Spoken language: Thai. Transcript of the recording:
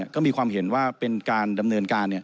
ก็มีความเห็นว่าเป็นการดำเนินการ